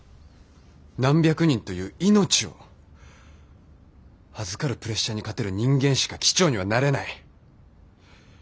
何百人という命を預かるプレッシャーに勝てる人間しか機長にはなれない。